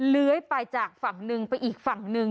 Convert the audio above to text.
เลื้อยไปจากฝั่งหนึ่งไปอีกฝั่งหนึ่ง